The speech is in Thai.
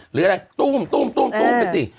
หรืออะไรตุ้มตุ้มตุ้มตุ้มไปสิ